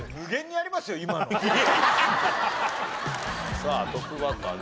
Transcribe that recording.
さあトップバッターはね